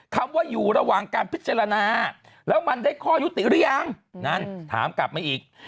คำว่าอยู่ระหว่างการพิจารณาแล้วมันได้ข้อยุติหรือยังนั่นถามกลับมาอีก